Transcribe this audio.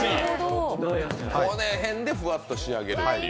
このへんでふわっと仕上げるという。